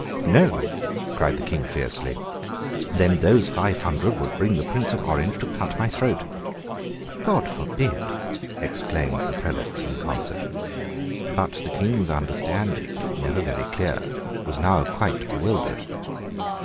"No!" cried the King fiercely; "then those five hundred would bring the Prince of Orange to cut my throat." "God forbid," exclaimed the prelates in concert. But the King's understanding, never very clear, was now quite bewildered.